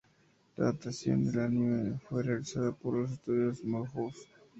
La adaptación al anime fue realizada por los estudios Madhouse.